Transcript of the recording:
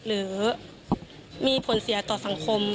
หรือมีผลเสียต่อสังคม